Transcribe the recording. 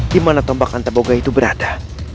di mana tombak antaboga itu berada